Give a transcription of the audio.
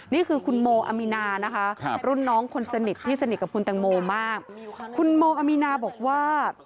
นี่คือคุณโมอามีนานะคะรุ่นน้องคนสนิทที่สนิทกับคุณตังโมมากคุณโมอามีนาบอกว่า